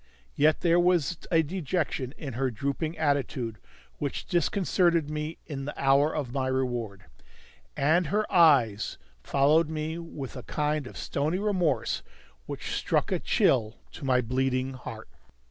Yet there was a dejection in her drooping attitude which disconcerted me in the hour of my reward. And her eyes followed me with a kind of stony remorse which struck a chill to my bleeding heart.